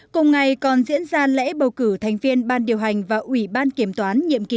cùng ngày còn diễn ra lễ bầu cử thành viên ban điều hành và ủy ban kiểm toán nhiệm kỳ hai nghìn một mươi bảy